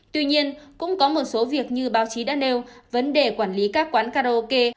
tuy nhiên cũng có một số việc như báo chí đã nêu vấn đề quản lý các quán karaoke